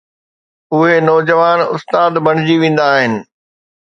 اهي نوجوان استاد بڻجي ويندا آهن.